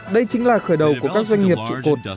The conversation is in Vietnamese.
đây chính là khởi đầu của các doanh nghiệp trụ cột